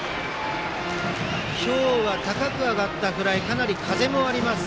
今日は高く上がったフライかなり風もあります。